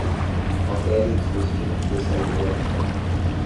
Altere o dispositivo de saída de áudio.